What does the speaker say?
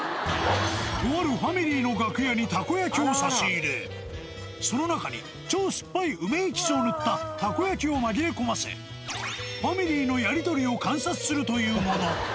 とあるファミリーの楽屋にたこ焼きを差し入れ、その中に、超すっぱい梅エキスを塗ったたこ焼きを紛れ込ませ、ファミリーのやり取りを観察するというもの。